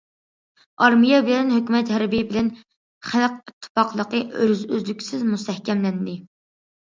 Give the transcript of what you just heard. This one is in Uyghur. ئارمىيە بىلەن ھۆكۈمەت، ھەربىي بىلەن خەلق ئىتتىپاقلىقى ئۈزلۈكسىز مۇستەھكەملەندى.